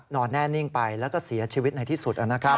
นอนแน่นิ่งไปแล้วก็เสียชีวิตในที่สุดนะครับ